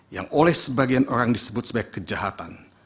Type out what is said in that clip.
yang oleh sebagian orang disebut sebagai kejahatan